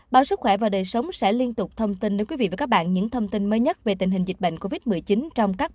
báo sức khỏe và đời sống sẽ liên tục thông tin đến quý vị và các bạn những thông tin mới nhất về tình hình dịch bệnh covid một mươi chín trong các bản tin trong ngày